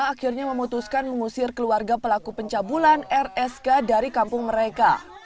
akhirnya memutuskan mengusir keluarga pelaku pencabulan rsk dari kampung mereka